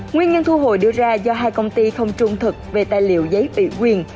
nguyên nhân thu hồi đưa ra do hai công ty không trung thực về tài liệu giấy bị quyền